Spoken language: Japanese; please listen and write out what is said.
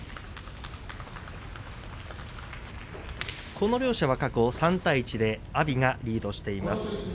この両者は過去３対１で阿炎がリードしています。